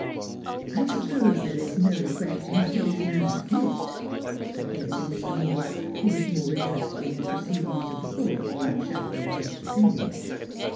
' I suppose there is no question as to this man's guilt ?' specu lated Mr. Mawk, who was more interested in the proceedings of the court than in Shafto Jebb's opinions.